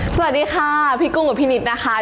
สวัสดีค่ะพี่กุ้งกับพี่นิดนะคะ